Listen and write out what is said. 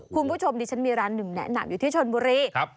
คุณผู้ชมชั่นมีร้านหนึ่งแนะนำอยู่ชลบุรี